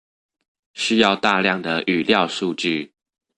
需要大量的語料數據